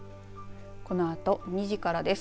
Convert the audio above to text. このあと２時からです。